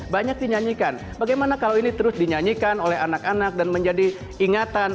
banyak dinyanyikan bagaimana kalau ini terus dinyanyikan oleh anak anak dan menjadi ingatan